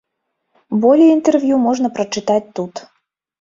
Болей інтэрв'ю можна прачытаць тут.